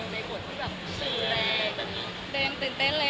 สวัสดีค่ะ